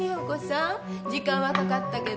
時間はかかったけど。